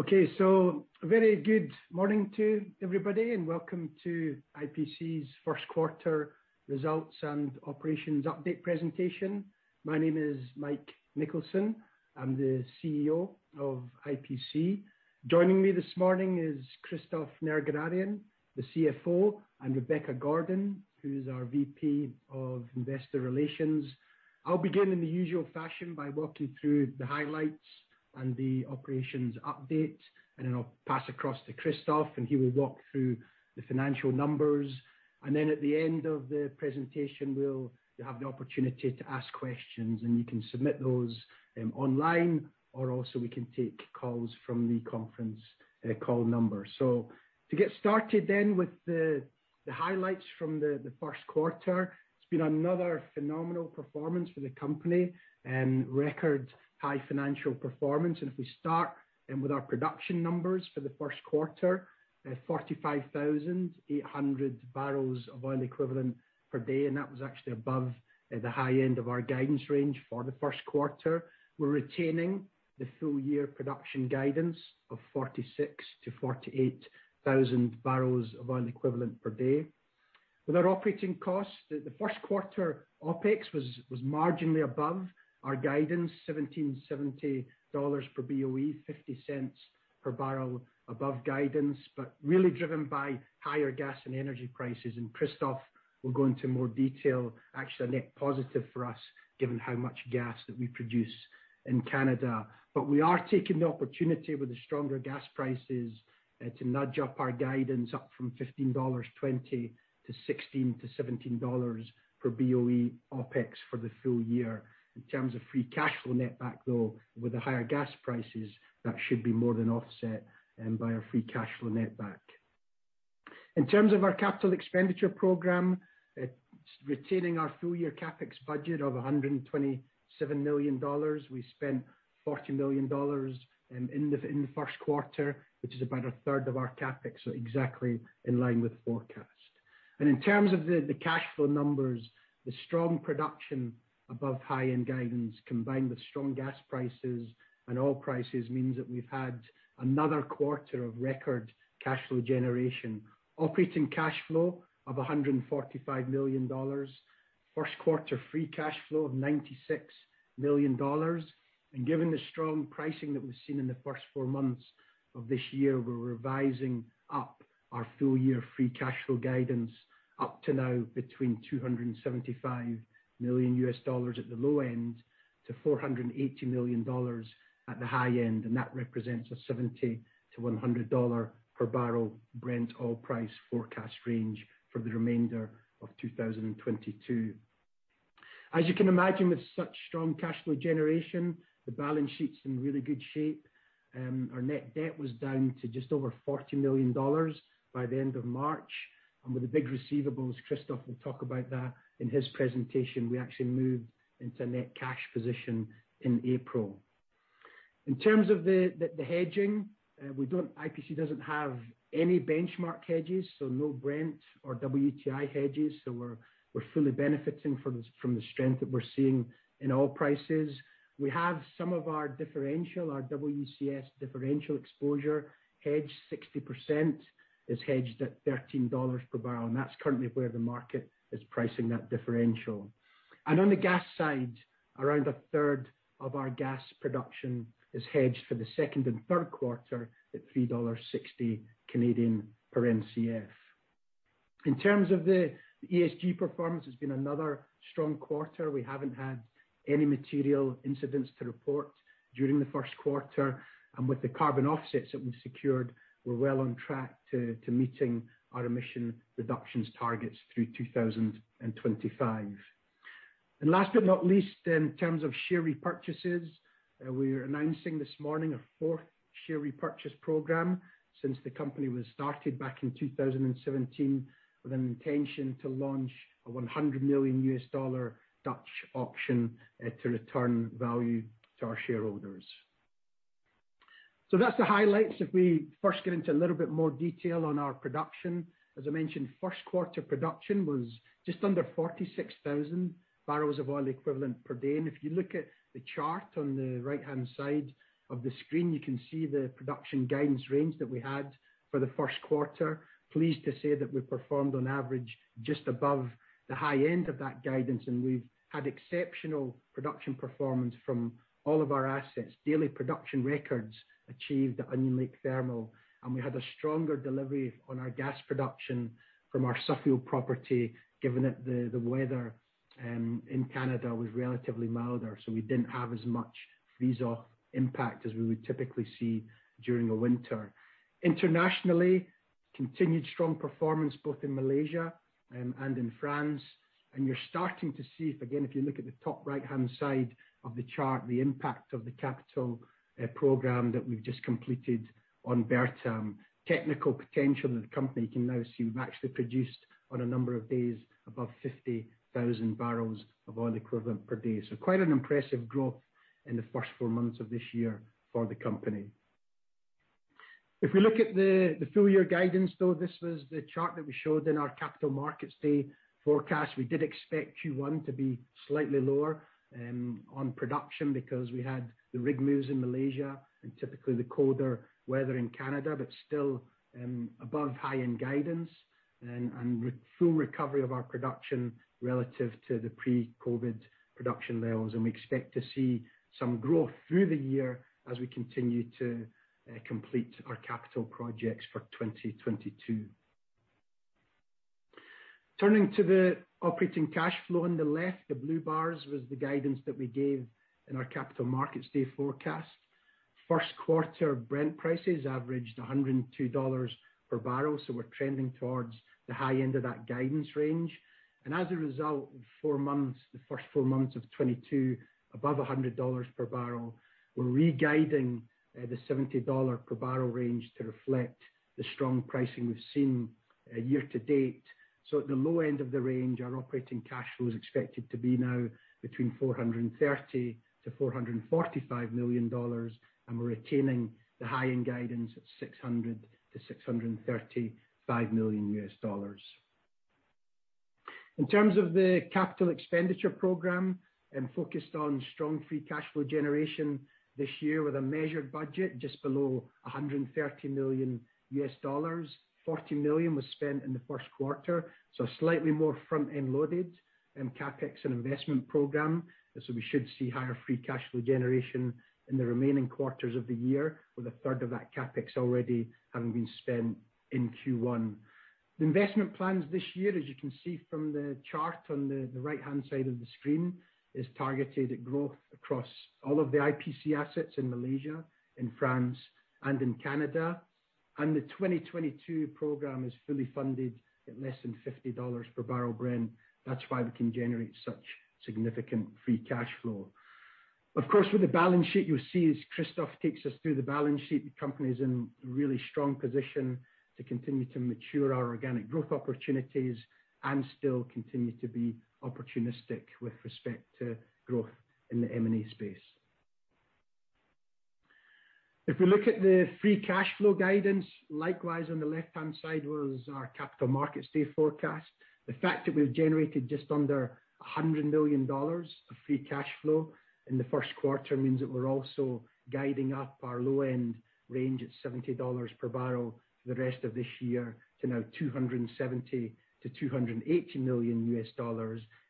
Okay. A very good morning to everybody, and welcome to IPC's first quarter results and operations update presentation. My name is Mike Nicholson. I'm the CEO of IPC. Joining me this morning is Christophe Nerguararian, the CFO, and Rebecca Gordon, who is our VP of Investor Relations. I'll begin in the usual fashion by walking through the highlights and the operations update, and then I'll pass across to Christophe, and he will walk through the financial numbers. At the end of the presentation, you'll have the opportunity to ask questions, and you can submit those online, or also we can take calls from the conference call number. To get started with the highlights from the first quarter. It's been another phenomenal performance for the company and record high financial performance. If we start with our production numbers for the first quarter, 45,000 barrels of oil equivalent per day, and that was actually above the high end of our guidance range for the first quarter. We're retaining the full year production guidance of 46,000-48,000 barrels of oil equivalent per day. With our operating costs, the first quarter OpEx was marginally above our guidance, $17.70 per BOE, $0.50 per barrel above guidance, but really driven by higher gas and energy prices. Christophe will go into more detail. Actually a net positive for us, given how much gas that we produce in Canada. We are taking the opportunity with the stronger gas prices to nudge up our guidance up from $15.20 to $16-$17 per BOE OpEx for the full year. In terms of free cash flow netback, though, with the higher gas prices, that should be more than offset by our free cash flow netback. In terms of our capital expenditure program, it's retaining our full-year CapEx budget of $127 million. We spent $40 million in the first quarter, which is about a third of our CapEx, so exactly in line with forecast. In terms of the cash flow numbers, the strong production above high-end guidance combined with strong gas prices and oil prices means that we've had another quarter of record cash flow generation. Operating cash flow of $145 million. First quarter free cash flow of $96 million. Given the strong pricing that we've seen in the first four months of this year, we're revising up our full-year free cash flow guidance up to now between $275 million at the low end to $480 million at the high end. That represents a $70-$100 per barrel Brent oil price forecast range for the remainder of 2022. As you can imagine, with such strong cash flow generation, the balance sheet's in really good shape. Our net debt was down to just over $40 million by the end of March. With the big receivables, Christophe will talk about that in his presentation, we actually moved into a net cash position in April. In terms of the hedging, IPC doesn't have any benchmark hedges, so no Brent or WTI hedges. We're fully benefiting from the strength that we're seeing in oil prices. We have some of our WCS differential exposure hedged. 60% is hedged at $13 per barrel, and that's currently where the market is pricing that differential. On the gas side, around a third of our gas production is hedged for the second and third quarter at 3.60 Canadian dollars per Mcf. In terms of the ESG performance, it's been another strong quarter. We haven't had any material incidents to report during the first quarter. With the carbon offsets that we've secured, we're well on track to meeting our emission reductions targets through 2025. Last but not least, in terms of share repurchases, we're announcing this morning a fourth share repurchase program since the company was started back in 2017 with an intention to launch a $100 million Dutch auction to return value to our shareholders. That's the highlights. If we first get into a little bit more detail on our production. As I mentioned, first quarter production was just under 46,000 barrels of oil equivalent per day. If you look at the chart on the right-hand side of the screen, you can see the production guidance range that we had for the first quarter. Pleased to say that we performed on average just above the high end of that guidance, and we've had exceptional production performance from all of our assets. Daily production records achieved at Onion Lake Thermal, and we had a stronger delivery on our gas production from our Suffield property, given that the weather in Canada was relatively milder, so we didn't have as much freeze-off impact as we would typically see during a winter. Internationally, continued strong performance both in Malaysia and in France. You're starting to see, again, if you look at the top right-hand side of the chart, the impact of the capital program that we've just completed on Bertam. Technical potential of the company, you can now see we've actually produced on a number of days above 50,000 barrels of oil equivalent per day. Quite an impressive growth in the first four months of this year for the company. If we look at the full year guidance, though, this was the chart that we showed in our Capital Markets Day forecast. We did expect Q1 to be slightly lower on production because we had the rig moves in Malaysia and typically the colder weather in Canada, but still above high-end guidance and with full recovery of our production relative to the pre-COVID production levels. We expect to see some growth through the year as we continue to complete our capital projects for 2022. Turning to the operating cash flow on the left, the blue bars was the guidance that we gave in our Capital Markets Day forecast. First quarter Brent prices averaged $102 per barrel, so we're trending towards the high end of that guidance range. As a result of the first four months of 2022 above $100 per barrel, we're re-guiding the $70 per barrel range to reflect the strong pricing we've seen year to date. At the low end of the range, our operating cash flow is expected to be now between $430 million-$445 million, and we're retaining the high-end guidance at $600 million-$635 million. In terms of the capital expenditure program and focused on strong free cash flow generation this year with a measured budget just below $130 million. $40 million was spent in the first quarter, so slightly more front-end loaded in CapEx and investment program. We should see higher free cash flow generation in the remaining quarters of the year, with a third of that CapEx already having been spent in Q1. The investment plans this year, as you can see from the chart on the right-hand side of the screen, is targeted at growth across all of the IPC assets in Malaysia, in France, and in Canada. The 2022 program is fully funded at less than $50 per barrel Brent. That's why we can generate such significant free cash flow. Of course, with the balance sheet, you'll see as Christophe takes us through the balance sheet, the company is in really strong position to continue to mature our organic growth opportunities and still continue to be opportunistic with respect to growth in the M&A space. If we look at the free cash flow guidance, likewise on the left-hand side was our Capital Markets Day forecast. The fact that we've generated just under $100 million of free cash flow in the first quarter means that we're also guiding up our low-end range at $70 per barrel for the rest of this year to now $270-$280 million.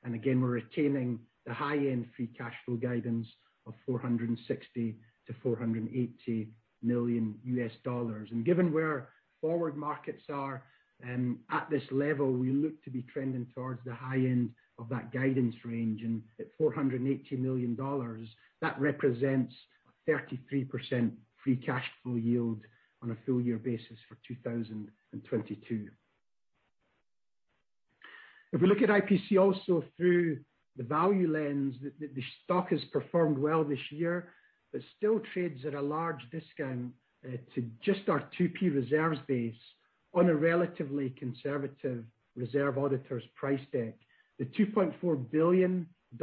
Again, we're retaining the high-end free cash flow guidance of $460-$480 million. Given where our forward markets are, at this level, we look to be trending towards the high end of that guidance range. At $480 million, that represents 33% free cash flow yield on a full year basis for 2022. If we look at IPC also through the value lens, the stock has performed well this year, but still trades at a large discount to just our 2P reserves base on a relatively conservative reserve auditor's price deck. The $2.4 billion of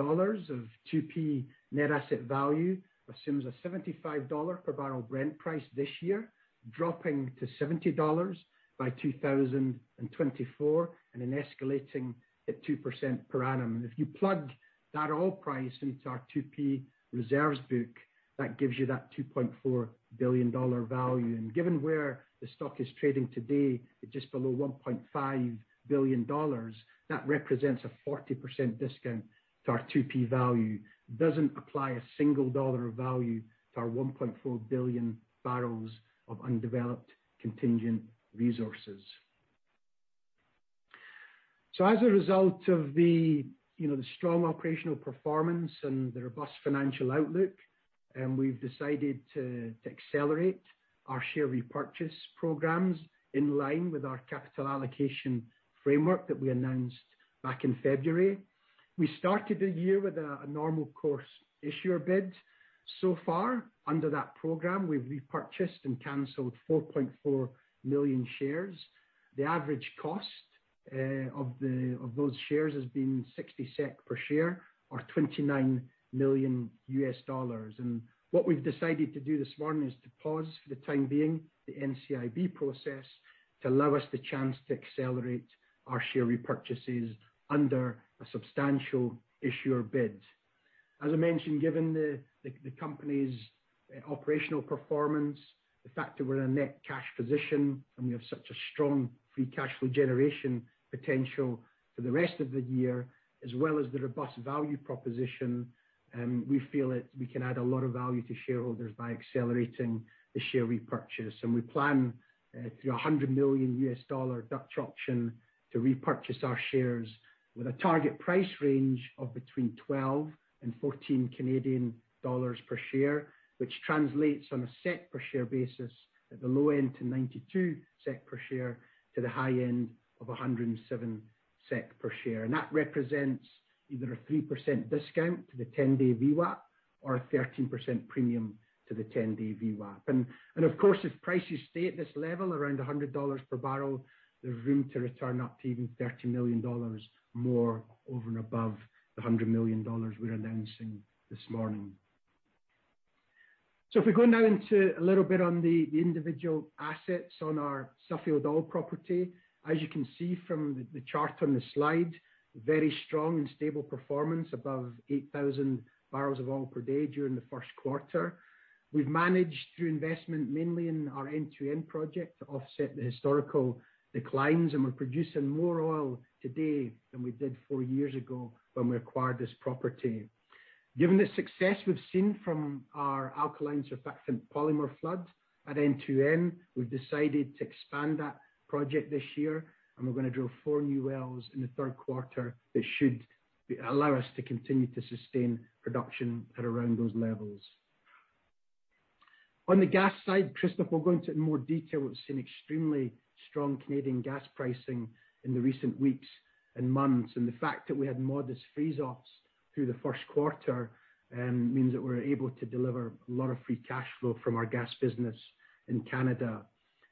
2P net asset value assumes a $75 per barrel Brent price this year, dropping to $70 by 2024 and then escalating at 2% per annum. If you plug that oil price into our 2P reserves book, that gives you that $2.4 billion value. Given where the stock is trading today, at just below $1.5 billion, that represents a 40% discount to our 2P value. Doesn't apply a single dollar of value to our 1.4 billion barrels of undeveloped contingent resources. As a result of the, you know, the strong operational performance and the robust financial outlook, we've decided to accelerate our share repurchase programs in line with our capital allocation framework that we announced back in February. We started the year with a Normal Course Issuer Bid. So far under that program, we've repurchased and canceled 4.4 million shares. The average cost of those shares has been $0.60 per share or $29 million. What we've decided to do this morning is to pause for the time being the NCIB process to allow us the chance to accelerate our share repurchases under a Substantial Issuer Bid. As I mentioned, given the company's operational performance, the fact that we're in a net cash position and we have such a strong free cash flow generation potential for the rest of the year, as well as the robust value proposition, we feel that we can add a lot of value to shareholders by accelerating the share repurchase. We plan through a $100 million Dutch auction to repurchase our shares with a target price range of between 12 and 14 Canadian dollars per share, which translates on a cent per share basis at the low end to 92¢ per share to the high end of 107¢ per share. That represents either a 3% discount to the ten-day VWAP or a 13% premium to the 10-day VWAP. Of course, if prices stay at this level, around $100 per barrel, there's room to return up to even $30 million more over and above the $100 million we're announcing this morning. If we go now into a little bit on the individual assets on our Suffield Oil property. As you can see from the chart on the slide, very strong and stable performance above 8,000 barrels of oil per day during the first quarter. We've managed through investment, mainly in our N2N project, to offset the historical declines, and we're producing more oil today than we did four years ago when we acquired this property. Given the success we've seen from our Alkaline Surfactant Polymer flood at N2N, we've decided to expand that project this year, and we're gonna drill four new wells in the third quarter that should allow us to continue to sustain production at around those levels. On the gas side, Christophe will go into it in more detail. We've seen extremely strong Canadian gas pricing in the recent weeks and months. The fact that we had modest freeze-offs through the first quarter means that we're able to deliver a lot of free cash flow from our gas business in Canada.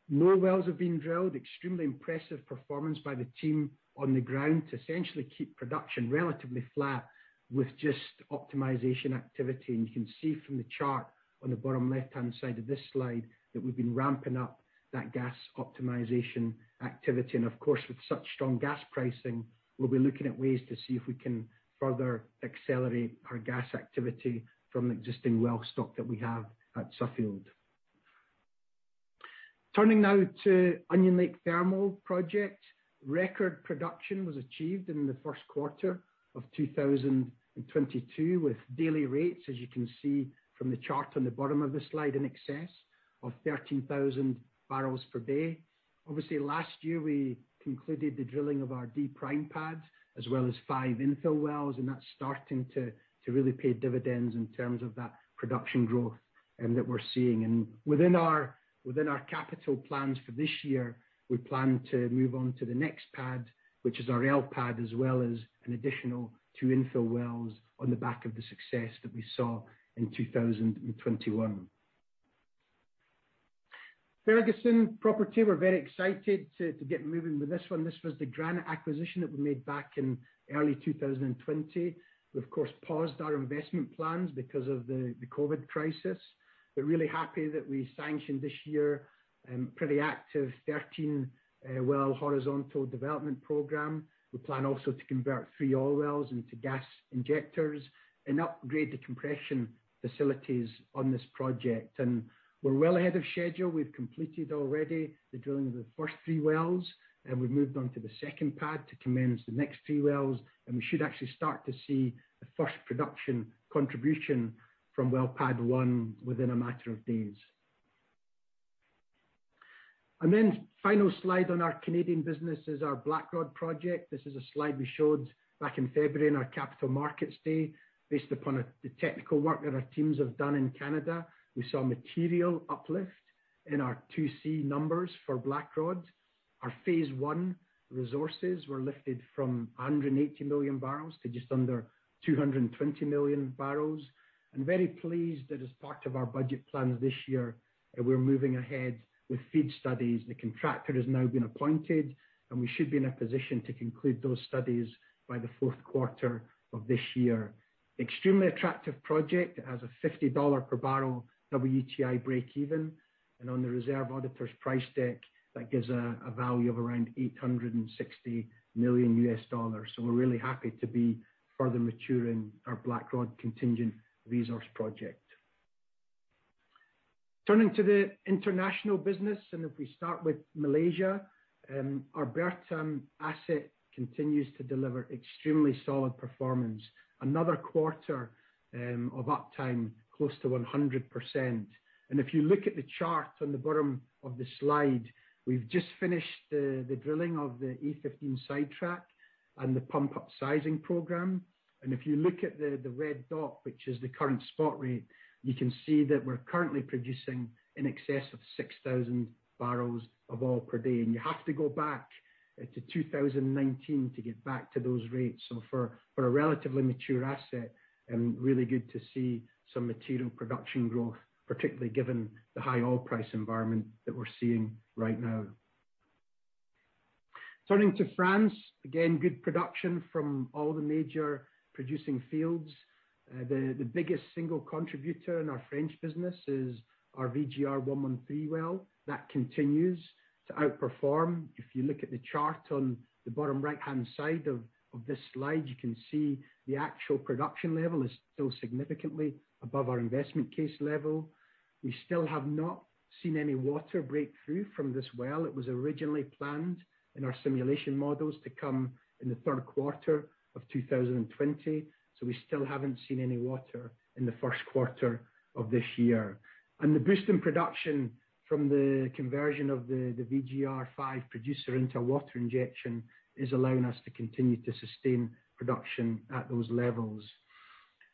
No wells have been drilled. Extremely impressive performance by the team on the ground to essentially keep production relatively flat with just optimization activity. You can see from the chart on the bottom left-hand side of this slide, that we've been ramping up that gas optimization activity. Of course, with such strong gas pricing, we'll be looking at ways to see if we can further accelerate our gas activity from existing well stock that we have at Suffield. Turning now to Onion Lake Thermal Project. Record production was achieved in the first quarter of 2022, with daily rates, as you can see from the chart on the bottom of this slide, in excess of 13,000 barrels per day. Obviously, last year, we concluded the drilling of our D' pads as well as five infill wells, and that's starting to really pay dividends in terms of that production growth that we're seeing. Within our capital plans for this year, we plan to move on to the next pad, which is our L Pad, as well as an additional two infill wells on the back of the success that we saw in 2021. Ferguson property, we're very excited to get moving with this one. This was the Granite acquisition that we made back in early 2020. We, of course, paused our investment plans because of the COVID crisis. We're really happy that we sanctioned this year a pretty active 13-well horizontal development program. We plan also to convert three oil wells into gas injectors and upgrade the compression facilities on this project. We're well ahead of schedule. We've completed already the drilling of the first three wells, and we've moved on to the second pad to commence the next three wells. We should actually start to see the first production contribution from well pad one within a matter of days. The final slide on our Canadian business is our Blackrod project. This is a slide we showed back in February in our Capital Markets Day. Based upon the technical work that our teams have done in Canada, we saw material uplift in our 2C numbers for Blackrod. Our phase one resources were lifted from 180 million barrels to just under 220 million barrels. I'm very pleased that as part of our budget plans this year, we're moving ahead with FEED studies. The contractor has now been appointed, and we should be in a position to conclude those studies by the fourth quarter of this year. Extremely attractive project. It has a $50 per barrel WTI breakeven. On the reserve auditors price deck, that gives a value of around $860 million. We're really happy to be further maturing our Blackrod contingent resource project. Turning to the international business, if we start with Malaysia, our Bertam asset continues to deliver extremely solid performance. Another quarter of uptime close to 100%. If you look at the chart on the bottom of the slide, we've just finished the drilling of the E15 sidetrack and the pump up sizing program. If you look at the red dot, which is the current spot rate, you can see that we're currently producing in excess of 6,000 barrels of oil per day. You have to go back to 2019 to get back to those rates. For a relatively mature asset, really good to see some material production growth, particularly given the high oil price environment that we're seeing right now. Turning to France, again, good production from all the major producing fields. The biggest single contributor in our French business is our VGR-113 well. That continues to outperform. If you look at the chart on the bottom right-hand side of this slide, you can see the actual production level is still significantly above our investment case level. We still have not seen any water breakthrough from this well. It was originally planned in our simulation models to come in the third quarter of 2020. We still haven't seen any water in the first quarter of this year. The boost in production from the conversion of the VGR five producer into a water injection is allowing us to continue to sustain production at those levels.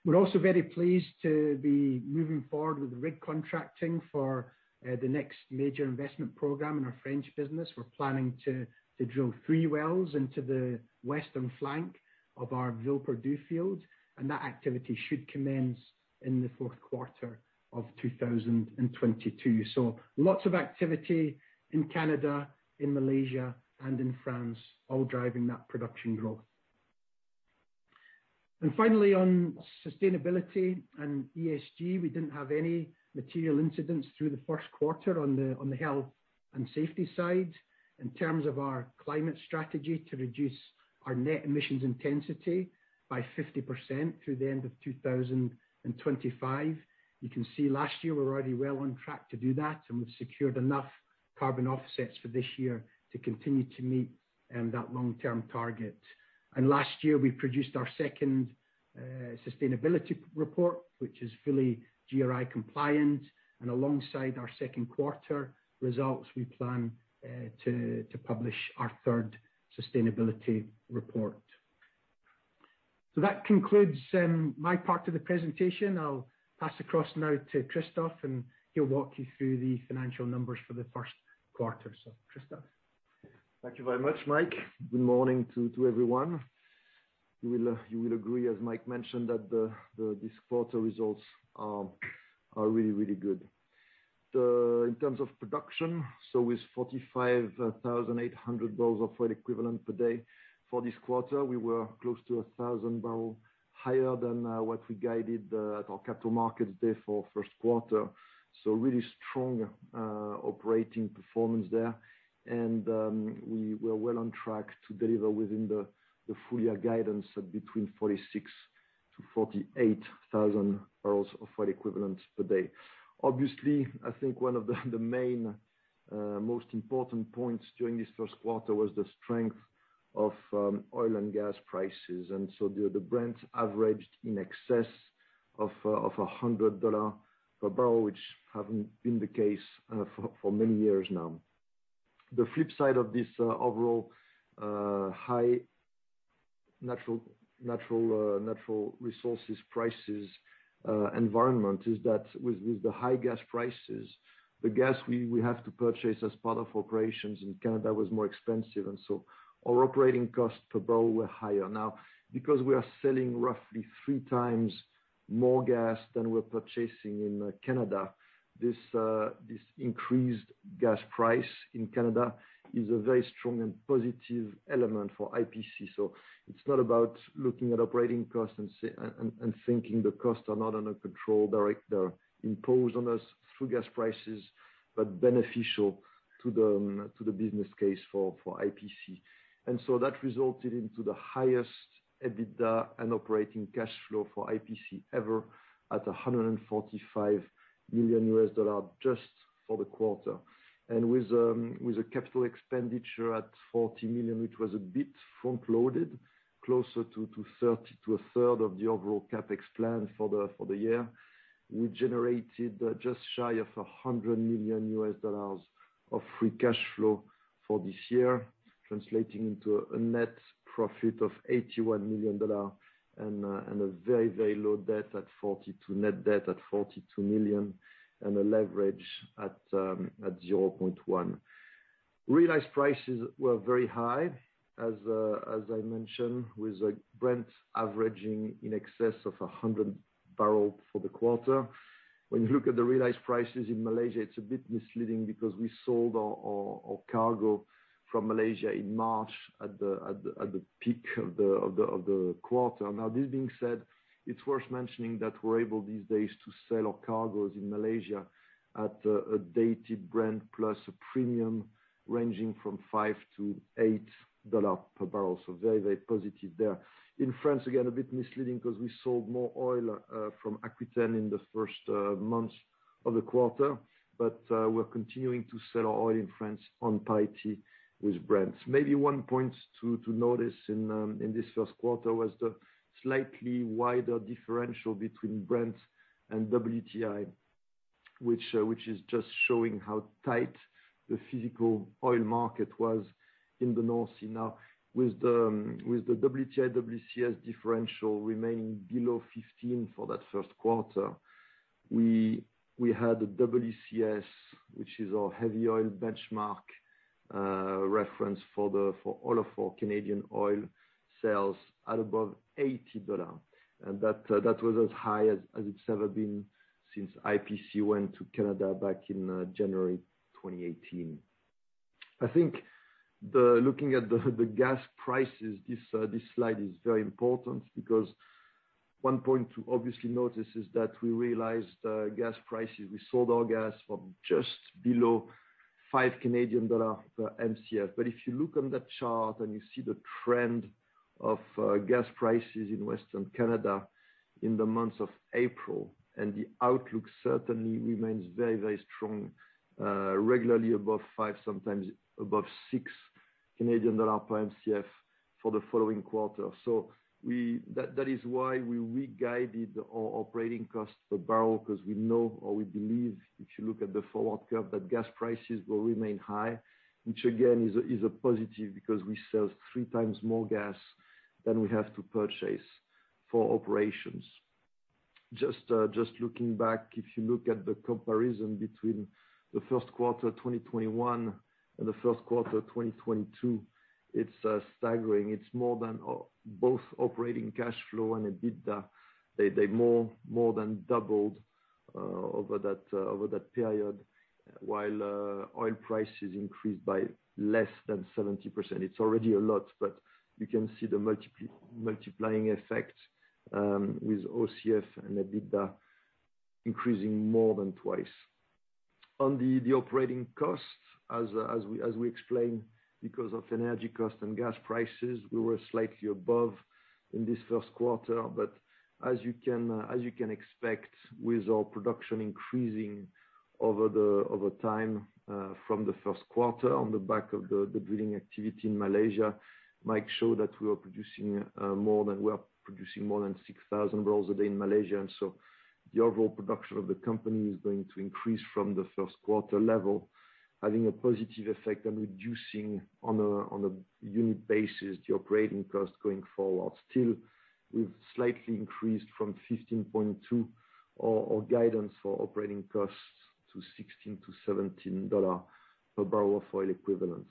We're also very pleased to be moving forward with the rig contracting for the next major investment program in our French business. We're planning to drill three wells into the western flank of our Villeperdue field, and that activity should commence in the fourth quarter of 2022. Lots of activity in Canada, in Malaysia, and in France, all driving that production growth. Finally, on sustainability and ESG, we didn't have any material incidents through the first quarter on the health and safety side. In terms of our climate strategy to reduce our net emissions intensity by 50% through the end of 2025. You can see last year we were already well on track to do that, and we've secured enough carbon offsets for this year to continue to meet that long-term target. Last year, we produced our second sustainability report, which is fully GRI compliant, and alongside our second quarter results, we plan to publish our third sustainability report. That concludes my part of the presentation. I'll pass across now to Christophe, and he'll walk you through the financial numbers for the first quarter. Christophe? Thank you very much, Mike. Good morning to everyone. You will agree, as Mike mentioned, that this quarter results are really good. In terms of production, with 45,800 barrels of oil equivalent per day for this quarter, we were close to 1,000 barrel higher than what we guided at our Capital Markets Day for first quarter. Really strong operating performance there. We were well on track to deliver within the full year guidance of between 46,000-48,000 barrels of oil equivalents per day. Obviously, I think one of the main most important points during this first quarter was the strength of oil and gas prices. The Brent averaged in excess of $100 per barrel, which haven't been the case for many years now. The flip side of this overall high natural resources prices environment is that with the high gas prices, the gas we have to purchase as part of operations in Canada was more expensive, and our operating costs per barrel were higher. Now, because we are selling roughly three times more gas than we're purchasing in Canada, this increased gas price in Canada is a very strong and positive element for IPC. It's not about looking at operating costs and thinking the costs are not under control. They're imposed on us through gas prices, but beneficial to the business case for IPC. That resulted into the highest EBITDA and operating cash flow for IPC ever at $145 million just for the quarter. With a capital expenditure at $40 million, which was a bit front loaded, closer to a third of the overall CapEx plan for the year, we generated just shy of $100 million of free cash flow for this year, translating into a net profit of $81 million and a very low net debt at $42 million and a leverage at 0.1. Realized prices were very high, as I mentioned, with Brent averaging in excess of 100 dollars per barrel for the quarter. When you look at the realized prices in Malaysia, it's a bit misleading because we sold our cargo from Malaysia in March at the peak of the quarter. Now this being said, it's worth mentioning that we're able these days to sell our cargos in Malaysia at a dated Brent plus a premium ranging from $5-$8 per barrel. Very, very positive there. In France, again, a bit misleading 'cause we sold more oil from Aquitaine in the first months of the quarter. We're continuing to sell our oil in France on parity with Brent. Maybe one point to notice in this first quarter was the slightly wider differential between Brent and WTI, which is just showing how tight the physical oil market was in the North Sea. Now, with the WTI, WCS differential remaining below 15 for that first quarter, we had a WCS, which is our heavy oil benchmark, reference for all of our Canadian oil sales at above 80 dollars. That was as high as it's ever been since IPC went to Canada back in January 2018. I think looking at the gas prices, this slide is very important because one point to obviously notice is that we realized gas prices, we sold our gas for just below 5 Canadian dollars per Mcf. If you look on that chart and you see the trend of gas prices in Western Canada in the months of April, and the outlook certainly remains very, very strong, regularly above five, sometimes above 6 Canadian dollar per Mcf for the following quarter. That is why we re-guided our operating costs per barrel, 'cause we know or we believe, if you look at the forward curve, that gas prices will remain high, which again, is a positive because we sell 3x more gas than we have to purchase for operations. Just looking back, if you look at the comparison between the first quarter 2021 and the first quarter 2022, it's staggering. It's more than both operating cash flow and EBITDA. They more than doubled over that period, while oil prices increased by less than 70%. It's already a lot, but you can see the multiplying effect with OCF and EBITDA increasing more than twice. On the operating costs, as we explained, because of energy costs and gas prices, we were slightly above in this first quarter. As you can expect with our production increasing over time from the first quarter on the back of the drilling activity in Malaysia, Mike showed that we are producing more than 6,000 barrels a day in Malaysia. The overall production of the company is going to increase from the first quarter level, having a positive effect on reducing on a unit basis the operating costs going forward. We've slightly increased from 15.2, our guidance for operating costs to $16-$17 per barrel oil equivalent.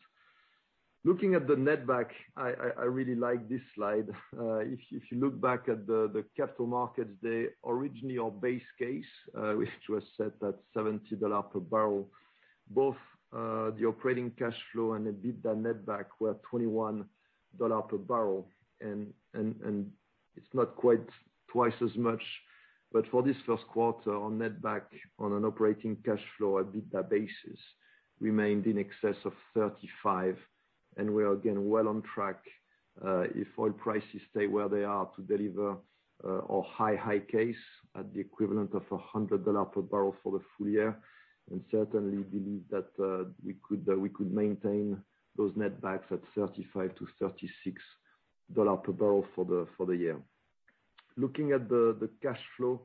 Looking at the netback, I really like this slide. If you look back at the Capital Markets Day, their original base case, which was set at $70 per barrel, both the operating cash flow and EBITDA netback were $21 per barrel and it's not quite twice as much. For this first quarter, on netback on an operating cash flow EBITDA basis remained in excess of $35. We are again well on track, if oil prices stay where they are to deliver our high case at the equivalent of $100 per barrel for the full year, and certainly believe that we could maintain those netbacks at $35-$36 per barrel for the year. Looking at the cash flow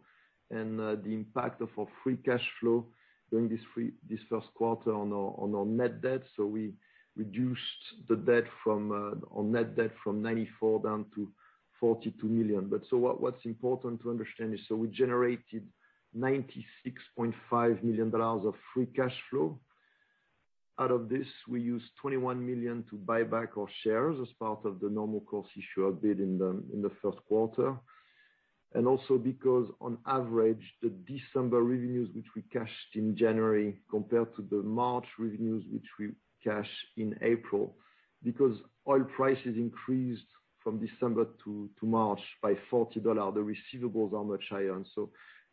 and the impact of our free cash flow during this first quarter on our net debt. We reduced our net debt from $94 million down to $42 million. What is important to understand is we generated $96.5 million of free cash flow. Out of this, we used 21 million to buy back our shares as part of the normal course issuer bid in the first quarter. Also because on average, the December revenues, which we cashed in January, compared to the March revenues, which we cashed in April, because oil prices increased from December to March by $40, the receivables are much higher.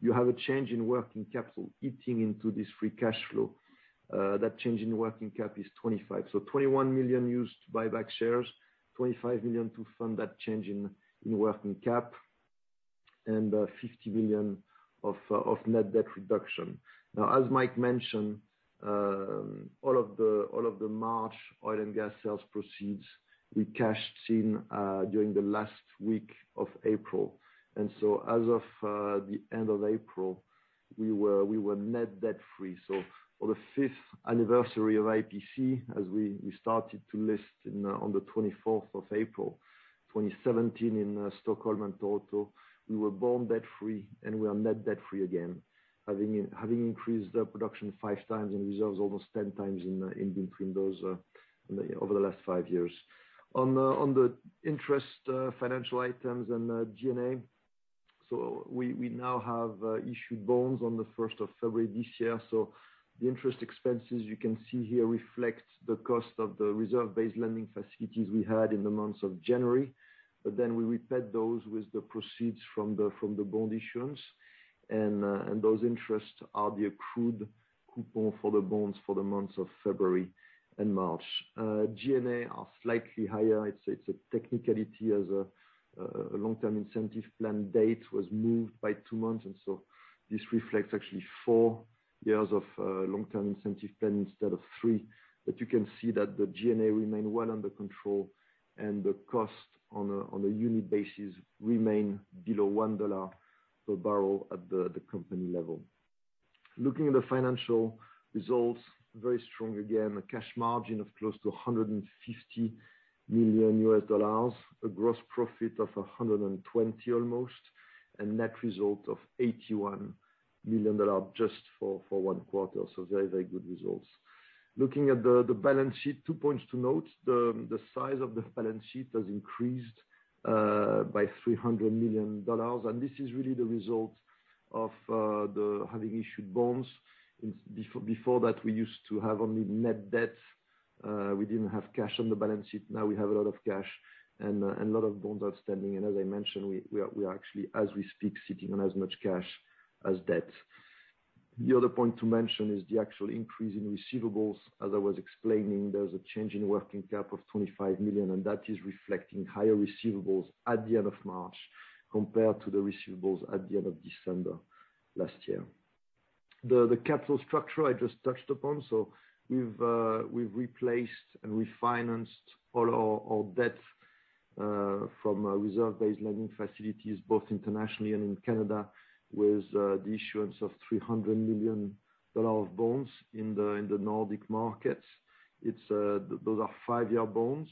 You have a change in working capital eating into this free cash flow. That change in working cap is 25. 21 million used to buy back shares, 25 million to fund that change in working cap, and 50 million of net debt reduction. Now, as Mike mentioned, all of the March oil and gas sales proceeds we cashed in during the last week of April. As of the end of April, we were net debt-free. For the 5th anniversary of IPC, as we started to list on the 24th of April, 2017 in Stockholm and Toronto, we were born debt-free, and we are net debt-free again, having increased production 5x and reserves almost 10x in between those over the last five years. On the interest, financial items and G&A, we now have issued bonds on the 1st of February this year. The interest expenses you can see here reflect the cost of the reserve-based lending facilities we had in the months of January. We repaid those with the proceeds from the bond issuance and those interests are the accrued coupon for the bonds for the months of February and March. G&A are slightly higher. It's a technicality as a long-term incentive plan date was moved by two months, and so this reflects actually four years of long-term incentive plan instead of three. You can see that the G&A remain well under control and the cost on a unit basis remain below $1 per barrel at the company level. Looking at the financial results, very strong. Again, a cash margin of close to $150 million, a gross profit of almost $120 million, and net result of $81 million just for one quarter. Very, very good results. Looking at the balance sheet, two points to note. The size of the balance sheet has increased by $300 million, and this is really the result of having issued bonds. Before that, we used to have only net debt. We didn't have cash on the balance sheet. Now we have a lot of cash and a lot of bonds outstanding. As I mentioned, we are actually, as we speak, sitting on as much cash as debt. The other point to mention is the actual increase in receivables. As I was explaining, there's a change in working cap of $25 million, and that is reflecting higher receivables at the end of March compared to the receivables at the end of December last year. The capital structure I just touched upon. We've replaced and refinanced all our debt from reserve-based lending facilities, both internationally and in Canada, with the issuance of $300 million of bonds in the Nordic markets. Those are five-year bonds,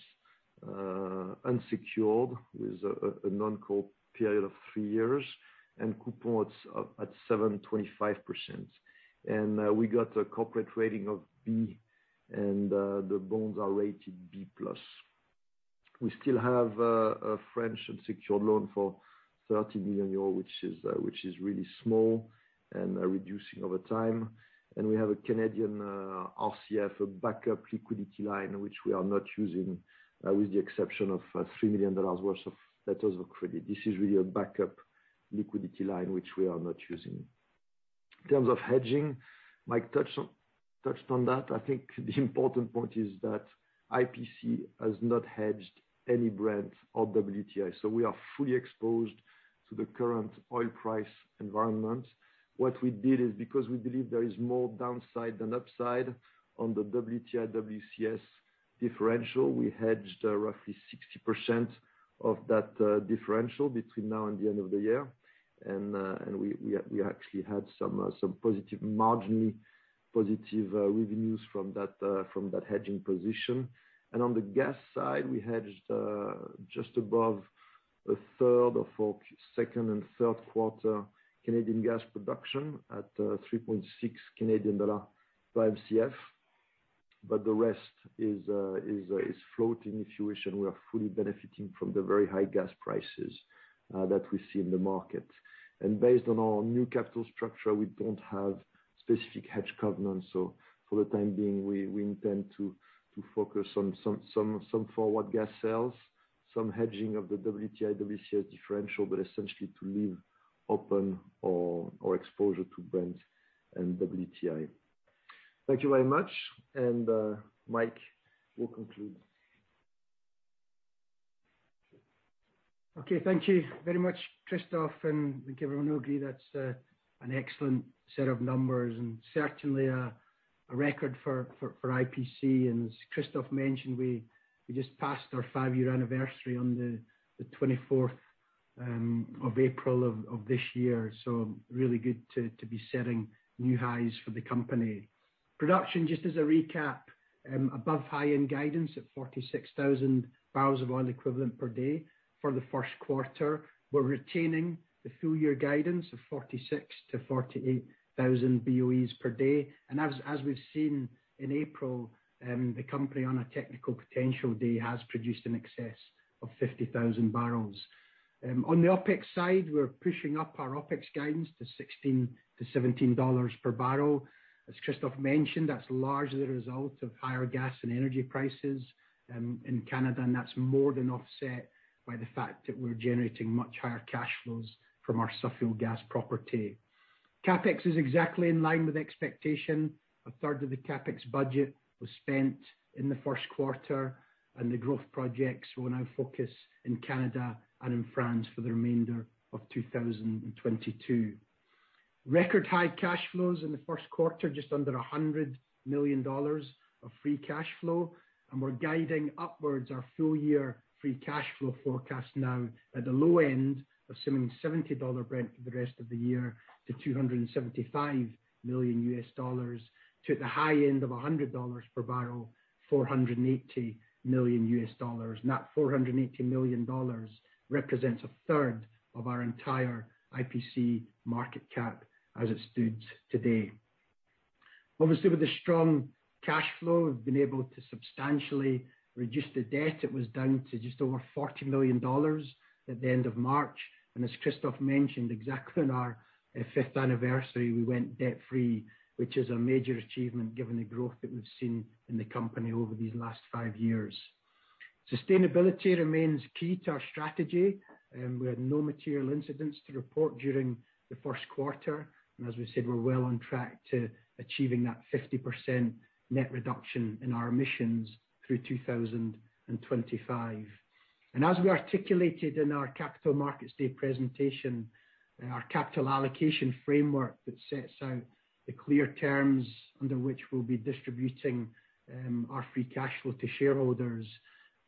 unsecured with a non-call period of three years and coupons at 7.25%. We got a corporate rating of B, and the bonds are rated B+. We still have a French secured loan for 30 million euros which is really small and reducing over time. We have a Canadian RCF backup liquidity line which we are not using with the exception of $3 million worth of letters of credit. This is really a backup liquidity line which we are not using. In terms of hedging, Mike touched on that. I think the important point is that IPC has not hedged any Brent or WTI. We are fully exposed to the current oil price environment. What we did is because we believe there is more downside than upside on the WTI, WCS differential, we hedged roughly 60% of that differential between now and the end of the year. We actually had some positive margin, positive revenues from that hedging position. On the gas side, we hedged just above a third of our second and third quarter Canadian gas production at 3.6 Canadian dollar per Mcf. But the rest is floating unhedged. We are fully benefiting from the very high gas prices that we see in the market. Based on our new capital structure, we don't have specific hedge covenants. For the time being, we intend to focus on some forward gas sales, some hedging of the WTI, WCS differential, but essentially to leave open our exposure to Brent and WTI. Thank you very much. Mike will conclude. Okay, thank you very much, Christophe. I think everyone will agree that's an excellent set of numbers and certainly a record for IPC. As Christophe mentioned, we just passed our five-year anniversary on the 24th of April of this year. Really good to be setting new highs for the company. Production, just as a recap, above high-end guidance at 46,000 barrels of oil equivalent per day for the first quarter. We're retaining the full year guidance of 46,000-48,000 BOEs per day. As we've seen in April, the company on a technical potential day has produced in excess of 50,000 barrels. On the OpEx side, we're pushing up our OpEx guidance to $16-$17 per barrel. As Christophe mentioned, that's largely the result of higher gas and energy prices in Canada, and that's more than offset by the fact that we're generating much higher cash flows from our Suffield gas property. CapEx is exactly in line with expectation. A third of the CapEx budget was spent in the first quarter, and the growth projects will now focus in Canada and in France for the remainder of 2022. Record high cash flows in the first quarter, just under $100 million of free cash flow. We're guiding upwards our full year free cash flow forecast now at the low end, assuming $70 Brent for the rest of the year to $275 million. To the high end of $100 per barrel, $480 million. That $480 million represents a third of our entire IPC market cap as it stood today. Obviously, with the strong cash flow, we've been able to substantially reduce the debt. It was down to just over $40 million at the end of March. As Christophe mentioned, exactly on our fifth anniversary, we went debt-free, which is a major achievement given the growth that we've seen in the company over these last five years. Sustainability remains key to our strategy. We had no material incidents to report during the first quarter. As we said, we're well on track to achieving that 50% net reduction in our emissions through 2025. As we articulated in our Capital Markets Day presentation, our capital allocation framework that sets out the clear terms under which we'll be distributing our free cash flow to shareholders.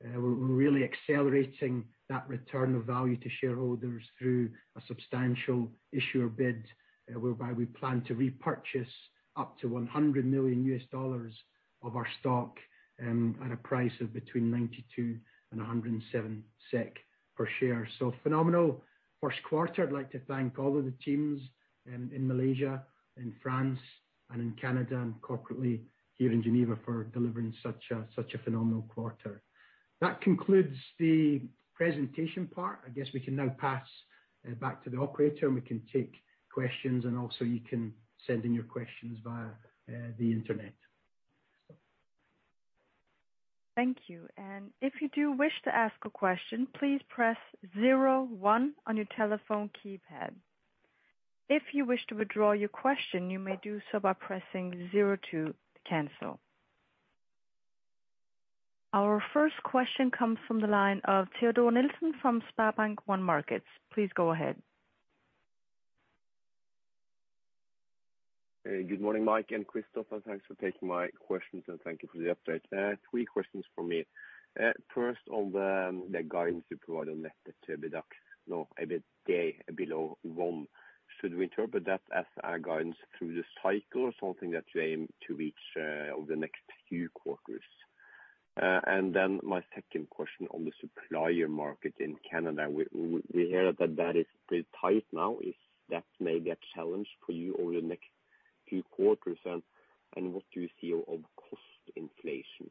We're really accelerating that return of value to shareholders through a Substantial Issuer Bid, whereby we plan to repurchase up to $100 million of our stock at a price of between 92 SEK and 107 SEK per share. Phenomenal first quarter. I'd like to thank all of the teams in Malaysia, in France, and in Canada, and corporately here in Geneva for delivering such a phenomenal quarter. That concludes the presentation part. I guess we can now pass back to the operator, and we can take questions, and also you can send in your questions via the internet. Thank you. If you do wish to ask a question, please press zero one on your telephone keypad. If you wish to withdraw your question, you may do so by pressing zero two to cancel. Our first question comes from the line of Teodor Sveen-Nilsen from SpareBank 1 Markets AS. Please go ahead. Good morning, Mike and Christophe, and thanks for taking my questions, and thank you for the update. Three questions from me. First on the guidance you provide on net debt to EBITDA, now EBITDA below one. Should we interpret that as a guidance through this cycle or something that you aim to reach over the next few quarters? My second question on the supplier market in Canada. We hear that is a bit tight now. If that may be a challenge for you over the next two quarters, and what do you see of cost inflation?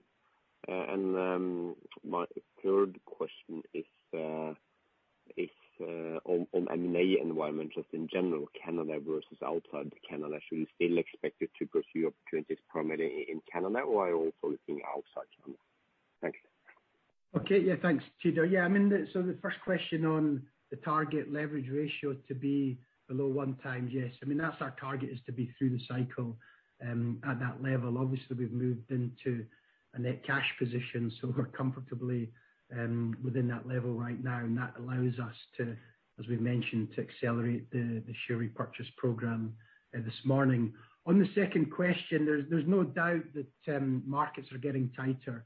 My third question is on the M&A environment, just in general, Canada versus outside Canada. Should you still expect it to pursue opportunities primarily in Canada, or are you also looking outside Canada? Thanks. Okay. Yeah, thanks, Teodor Sveen-Nilsen. Yeah, I mean, so the first question on the target leverage ratio to be below 1x. Yes. I mean, that's our target is to be through the cycle at that level. Obviously, we've moved into a net cash position, so we're comfortably within that level right now, and that allows us to, as we've mentioned, to accelerate the share repurchase program this morning. On the second question, there's no doubt that markets are getting tighter.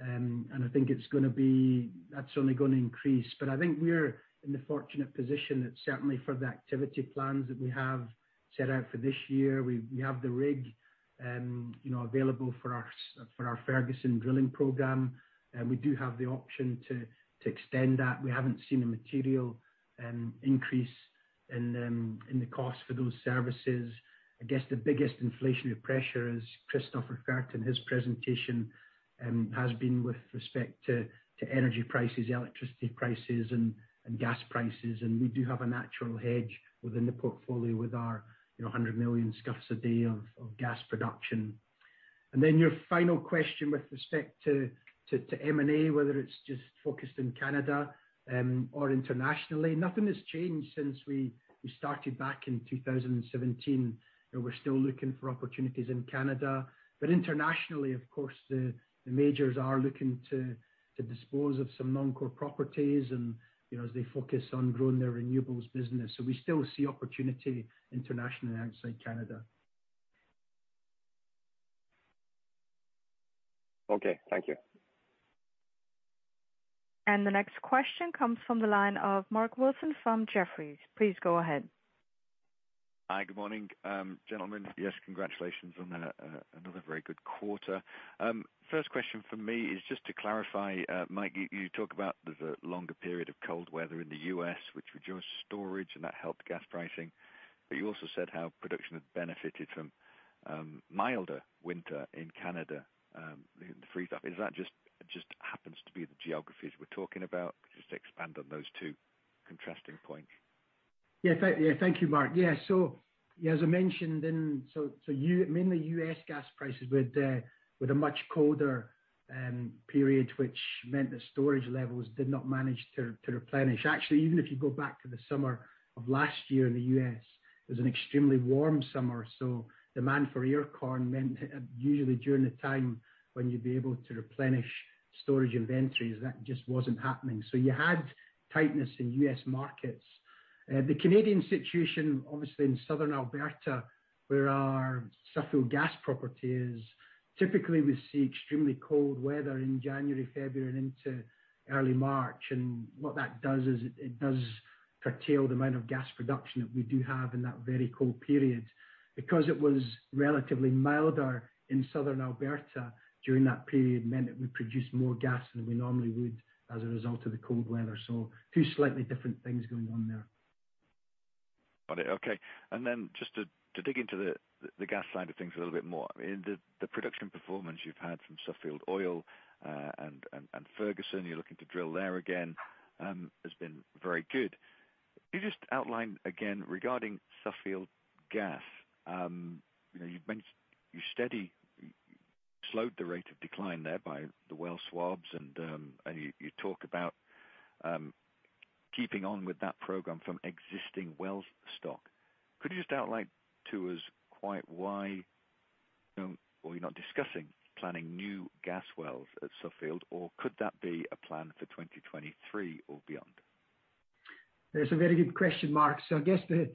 I think that's only gonna increase. I think we're in the fortunate position that certainly for the activity plans that we have set out for this year, we have the rig, you know, available for our Suffield drilling program, and we do have the option to extend that. We haven't seen a material increase in the cost for those services. I guess the biggest inflationary pressure, as Christophe referred in his presentation, has been with respect to energy prices, electricity prices, and gas prices. We do have a natural hedge within the portfolio with our, you know, 100 million scf a day of gas production. Then your final question with respect to M&A, whether it's just focused in Canada or internationally, nothing has changed since we started back in 2017. You know, we're still looking for opportunities in Canada. Internationally, of course, the majors are looking to dispose of some non-core properties and, you know, as they focus on growing their renewables business. We still see opportunity internationally outside Canada. Okay. Thank you. The next question comes from the line of Mark Wilson from Jefferies. Please go ahead. Hi. Good morning, gentlemen. Yes, congratulations on another very good quarter. First question from me is just to clarify, Mike, you talk about the longer period of cold weather in the U.S., which reduced storage and that helped gas pricing. You also said how production had benefited from milder winter in Canada, the freeze up. Is that just happens to be the geographies we're talking about? Just expand on those two contrasting points. Yeah. Thank you, Mark. Yeah. So, as I mentioned in. Mainly U.S. gas prices with a much colder period, which meant the storage levels did not manage to replenish. Actually, even if you go back to the summer of last year in the U.S., it was an extremely warm summer, so demand for air con meant usually during the time when you'd be able to replenish storage inventories, that just wasn't happening. You had tightness in U.S. markets. The Canadian situation, obviously in Southern Alberta, where our Suffield gas property is, typically we see extremely cold weather in January, February, and into early March. What that does is it does curtail the amount of gas production that we do have in that very cold period. Because it was relatively milder in Southern Alberta during that period meant that we produced more gas than we normally would as a result of the cold weather. Two slightly different things going on there. Got it. Okay. Just to dig into the gas side of things a little bit more. In the production performance you've had from Suffield Oil and Ferguson, you're looking to drill there again, has been very good. Can you just outline again regarding Suffield Gas, you know, you've slowed the rate of decline there by the well swabs and you talked about keeping on with that program from existing well stock. Could you just outline to us quite why, you know, or you're not discussing planning new gas wells at Suffield, or could that be a plan for 2023 or beyond? That's a very good question, Mark. I guess the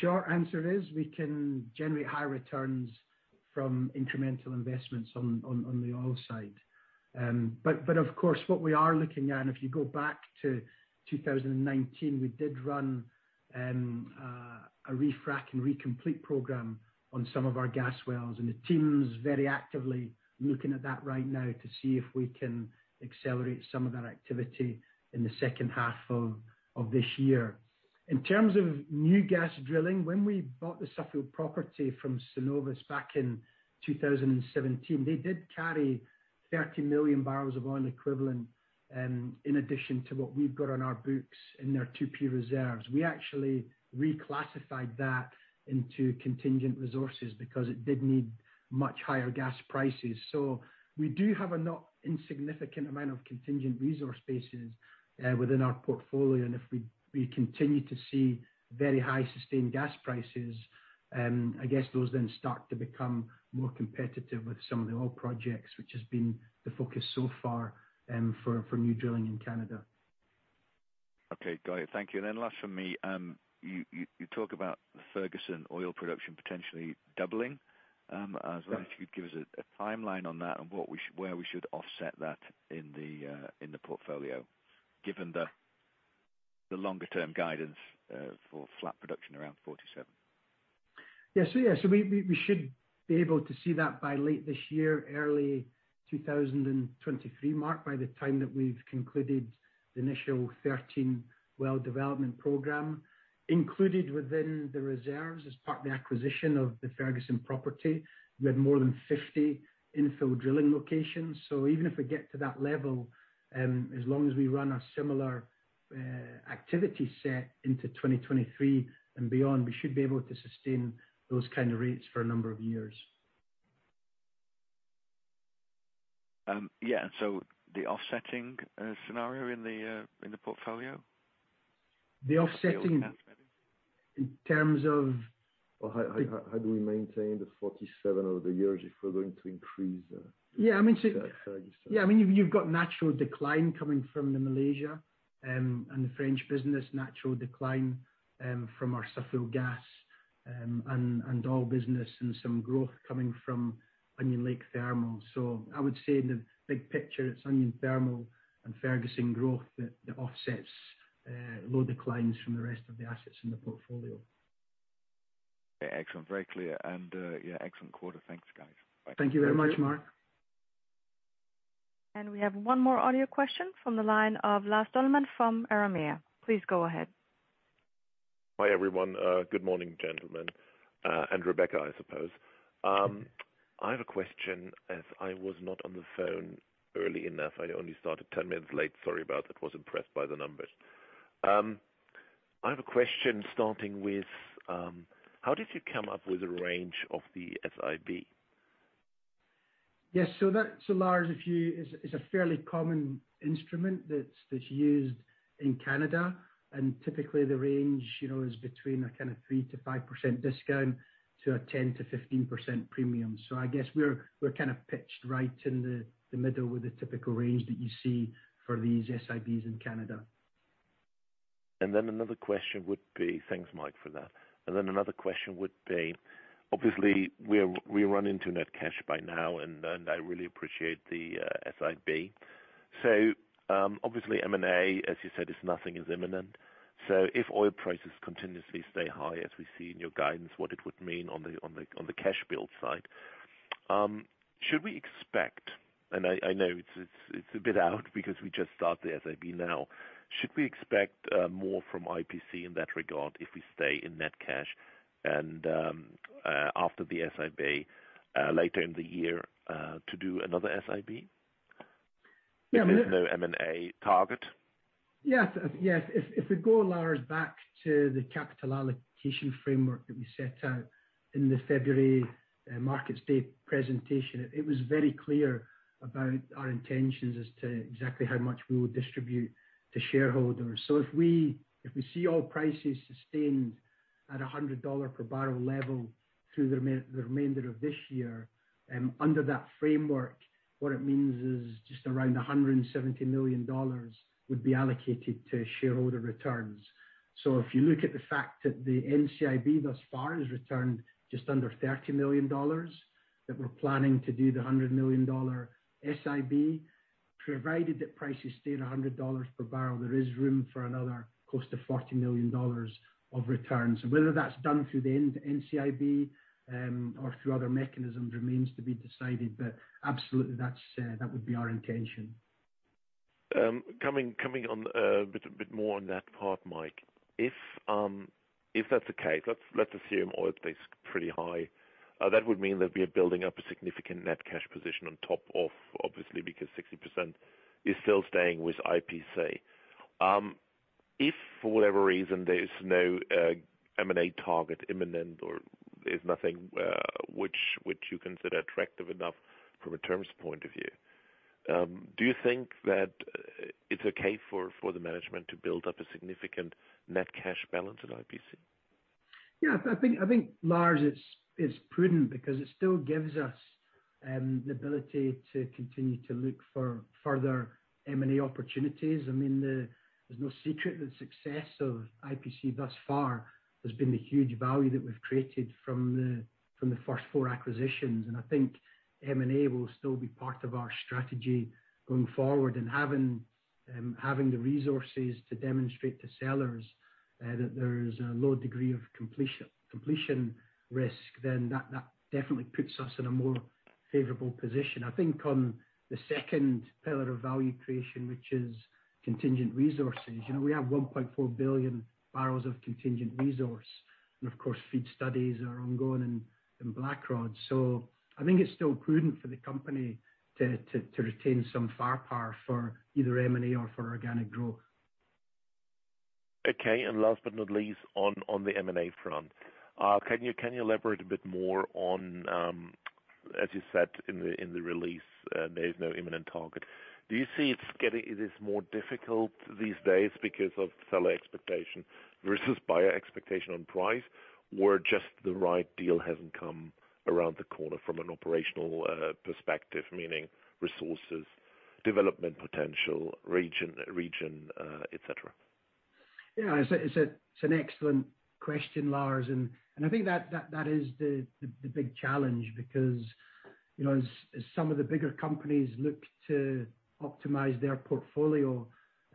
short answer is we can generate high returns from incremental investments on the oil side. But of course what we are looking at, and if you go back to 2019, we did run a refrack and recomplete program on some of our gas wells. The team's very actively looking at that right now to see if we can accelerate some of that activity in the second half of this year. In terms of new gas drilling, when we bought the Suffield property from Cenovus back in 2017, they did carry 30 million barrels of oil equivalent, in addition to what we've got on our books in their 2P reserves. We actually reclassified that into contingent resources because it did need much higher gas prices. We do have a not insignificant amount of contingent resource bases within our portfolio. If we continue to see very high sustained gas prices, I guess those then start to become more competitive with some of the oil projects which has been the focus so far, for new drilling in Canada. Okay. Got it. Thank you. Last from me, you talk about the Ferguson oil production potentially doubling. I was wondering if you could give us a timeline on that and where we should offset that in the portfolio, given the longer term guidance for flat production around 47? We should be able to see that by late this year, early 2023, Mark, by the time that we've concluded the initial 13 well development program. Included within the reserves, as part of the acquisition of the Ferguson property, we have more than 50 infill drilling locations. Even if we get to that level, as long as we run a similar activity set into 2023 and beyond, we should be able to sustain those kind of rates for a number of years. Yeah. The offsetting scenario in the portfolio? The offsetting. The oil. In terms of. How do we maintain the 47 over the years if we're going to increase the- Yeah, I mean. Ferguson Yeah, I mean, you've got natural decline coming from the Malaysia and the French business. Natural decline from our Suffield gas and oil business and some growth coming from Onion Lake thermal. I would say in the big picture, it's Onion thermal and Ferguson growth that offsets overall declines from the rest of the assets in the portfolio. Excellent. Very clear. Yeah, excellent quarter. Thanks guys. Bye. Thank you very much, Mark. We have one more audio question from the line of Lars Zollmann from Mirabaud. Please go ahead. Hi, everyone. Good morning, gentlemen, and Rebecca, I suppose. I have a question as I was not on the phone early enough. I only started 10 minutes late. Sorry about that. I was impressed by the numbers. I have a question starting with, how did you come up with a range of the SIB? Yes. Lars, it is a fairly common instrument that's used in Canada, and typically the range, you know, is between a kind of 3%-5% discount to a 10%-15% premium. I guess we're kind of pitched right in the middle with the typical range that you see for these SIBs in Canada. Thanks, Mike, for that. Another question would be, obviously we're, we run into net cash by now and I really appreciate the SIB. Obviously M&A, as you said, is nothing is imminent. If oil prices continuously stay high as we see in your guidance, what it would mean on the cash build side? Should we expect, and I know it's a bit out because we just start the SIB now. Should we expect more from IPC in that regard if we stay in net cash and after the SIB later in the year to do another SIB? Yeah, but. If there's no M&A target. Yes. If we go, Lars, back to the capital allocation framework that we set out in the February Capital Markets Day presentation, it was very clear about our intentions as to exactly how much we would distribute to shareholders. If we see oil prices sustained at $100 per barrel level through the remainder of this year, under that framework, what it means is just around $170 million would be allocated to shareholder returns. If you look at the fact that the NCIB thus far has returned just under $30 million, that we're planning to do the $100 million SIB. Provided that prices stay at $100 per barrel, there is room for another about $40 million of returns. Whether that's done through an NCIB or through other mechanisms remains to be decided, but absolutely that would be our intention. Coming on a bit more on that part, Mike. If that's the case, let's assume oil stays pretty high. That would mean that we are building up a significant net cash position on top of obviously because 60% is still staying with IPC. If for whatever reason there is no M&A target imminent or there's nothing which you consider attractive enough from a terms point of view, do you think that it's okay for the management to build up a significant net cash balance at IPC? Yeah, I think Lars it's prudent because it still gives us the ability to continue to look for further M&A opportunities. I mean, there's no secret that success of IPC thus far has been the huge value that we've created from the first four acquisitions. I think M&A will still be part of our strategy going forward and having the resources to demonstrate to sellers that there is a low degree of completion risk, that definitely puts us in a more favorable position. I think on the second pillar of value creation, which is contingent resources, you know, we have 1.4 billion barrels of contingent resource and of course FEED studies are ongoing in Blackrod. I think it's still prudent for the company to retain some firepower for either M&A or for organic growth. Okay. Last but not least, on the M&A front. Can you elaborate a bit more on, as you said in the release, there is no imminent target. Do you see it is more difficult these days because of seller expectation versus buyer expectation on price? Or just the right deal hasn't come around the corner from an operational perspective, meaning resources, development potential, region, et cetera? Yeah, it's an excellent question, Lars. I think that is the big challenge because you know, as some of the bigger companies look to optimize their portfolio,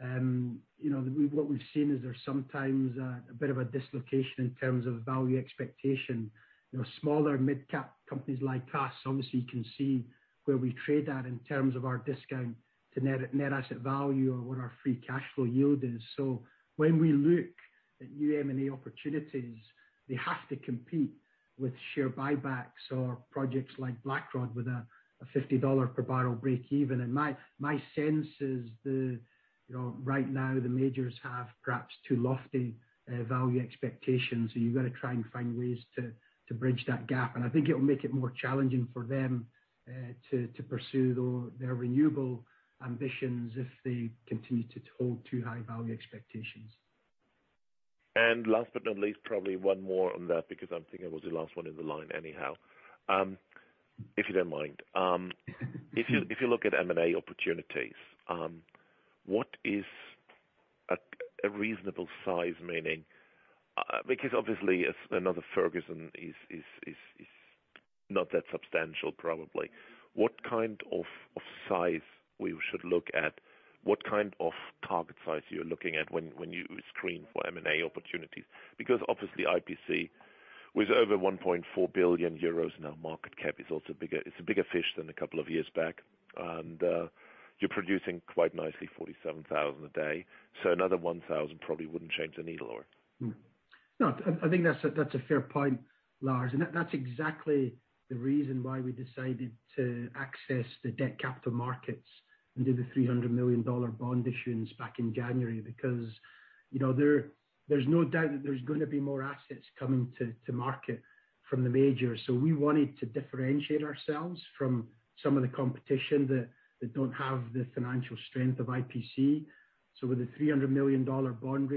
you know, what we've seen is there's sometimes a bit of a dislocation in terms of value expectation. You know, smaller mid-cap companies like us, obviously you can see where we trade at in terms of our discount to net asset value or what our free cash flow yield is. So when we look at new M&A opportunities, they have to compete with share buybacks or projects like Blackrod with a $50 per barrel breakeven. My sense is the, you know, right now the majors have perhaps too lofty value expectations, so you've gotta try and find ways to bridge that gap. I think it'll make it more challenging for them to pursue their renewable ambitions if they continue to hold too high value expectations. Last but not least, probably one more on that because I'm thinking it was the last one in the line anyhow. If you don't mind. If you look at M&A opportunities, what is a reasonable size? Meaning, because obviously as another Ferguson is not that substantial probably. What kind of size we should look at? What kind of target size you're looking at when you screen for M&A opportunities? Because obviously IPC with over 1.4 billion euros market cap is also bigger, it's a bigger fish than a couple of years back. You're producing quite nicely 47,000 a day. So another 1,000 probably wouldn't change the needle. No, I think that's a fair point, Lars. That's exactly the reason why we decided to access the debt capital markets and do the $300 million bond issuance back in January. You know, there's no doubt that there's gonna be more assets coming to market from the majors. We wanted to differentiate ourselves from some of the competition that don't have the financial strength of IPC. With the $300 million bond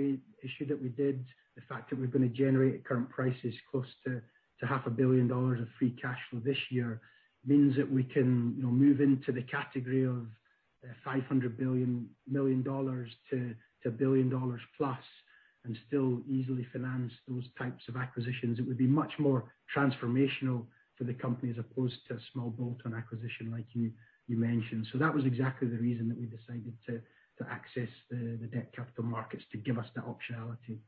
issuance that we did, the fact that we're gonna generate at current prices close to half a billion dollars of free cash flow this year, means that we can, you know, move into the category of $500 million to $1 billion plus and still easily finance those types of acquisitions. It would be much more transformational for the company as opposed to a small bolt-on acquisition like you mentioned. That was exactly the reason that we decided to access the debt capital markets, to give us the optionality.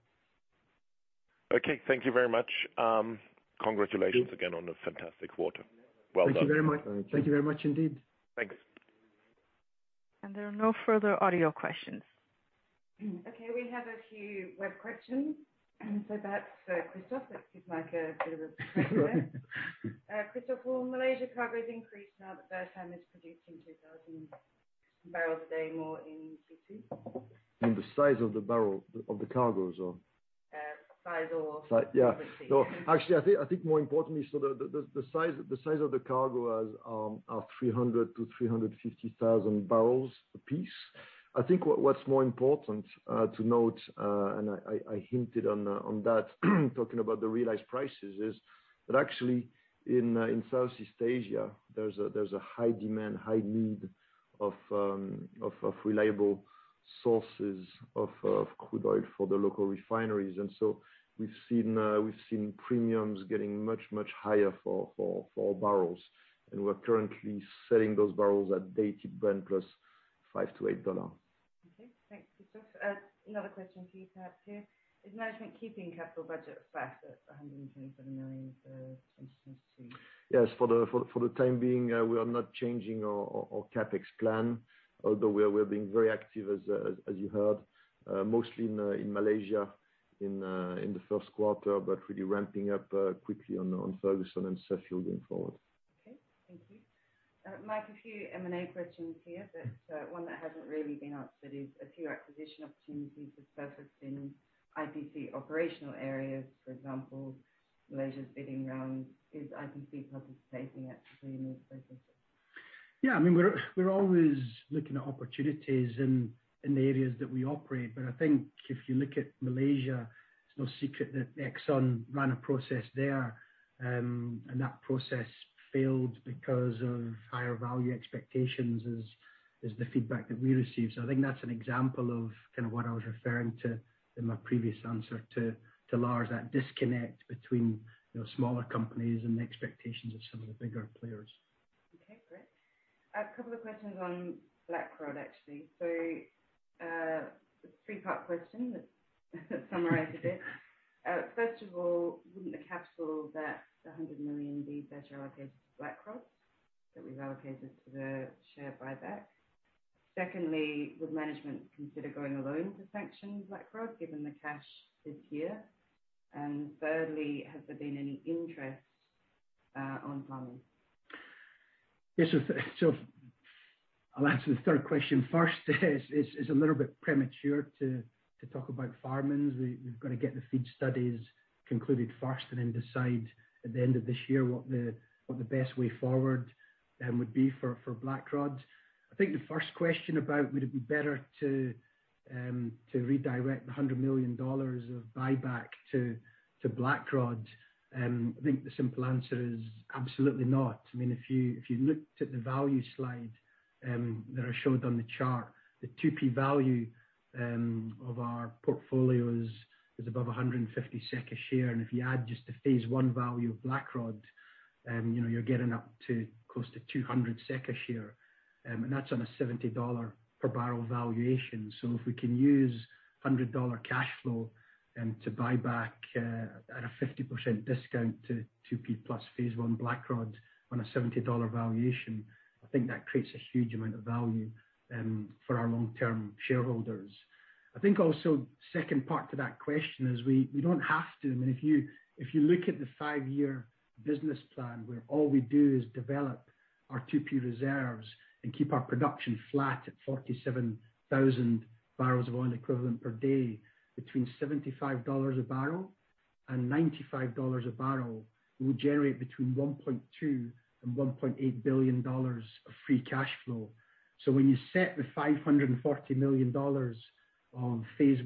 Okay, thank you very much. Congratulations. Thank you. Again on a fantastic quarter. Well done. Thank you very much. Thank you very much indeed. Thanks. There are no further audio questions. Okay, we have a few web questions. That's for Christophe. Let's give Mike a bit of a break there. Christophe, will Malaysia coverage increase now that Bertam is producing 2,000 barrels a day more in Q2? In the size of the barrel, of the cargoes or? Uh, size or. Size, yeah. Yes, I'll answer the third question first. It's a little bit premature to talk about farm-ins. We've gotta get the FEED studies concluded first, and then decide at the end of this year what the best way forward would be for Blackrod. I think the first question about would it be better to redirect the $100 million of buyback to Blackrod. I think the simple answer is absolutely not. I mean, if you looked at the value slide. That I showed on the chart, the 2P value of our portfolio is above 150 SEK a share. If you add just the phase I value of Blackrod, you know, you're getting up to close to 200 SEK a share. That's on a $70 per barrel valuation. If we can use $100 cash flow and to buy back at a 50% discount to 2P plus phase I Blackrod on a $70 valuation, I think that creates a huge amount of value for our long-term shareholders. I think also second part to that question is we don't have to. I mean, if you look at the five-year business plan, where all we do is develop our 2P reserves and keep our production flat at 47,000 barrels of oil equivalent per day. Between $75 a barrel and $95 a barrel, we would generate between $1.2 billion and $1.8 billion of free cash flow. When you set the $540 million of Blackrod phase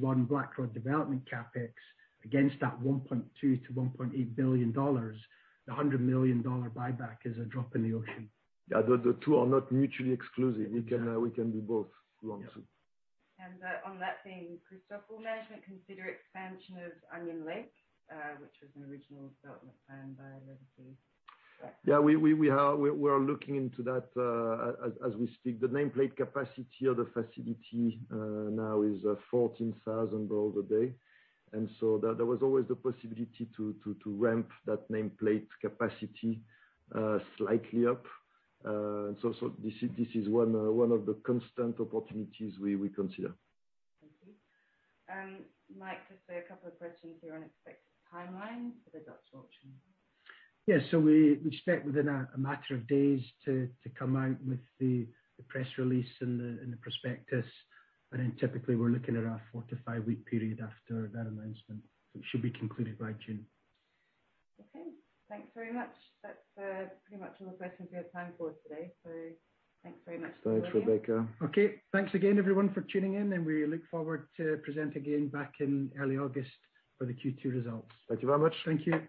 I development CapEx against that $1.2-$1.8 billion, the $100 million buyback is a drop in the ocean. Yeah, the two are not mutually exclusive. We can do both if we want to. Yeah. On that theme, Christophe, will management consider expansion of Onion Lake, which was an original development plan by Legacy? Yeah, we're looking into that as we speak. The nameplate capacity of the facility now is 14,000 barrels a day. That was always the possibility to ramp that nameplate capacity slightly up. So this is one of the constant opportunities we consider. Thank you. Mike, just a couple of questions here on expected timeline for the Dutch auction? Yeah. We expect within a matter of days to come out with the press release and the prospectus. Typically we're looking at a four to five-week period after that announcement. It should be concluded by June. Okay. Thanks very much. That's pretty much all the questions we have time for today. Thanks very much to both of you. Thanks, Rebecca. Okay. Thanks again everyone for tuning in, and we look forward to present again back in early August for the Q2 results. Thank you very much. Thank you.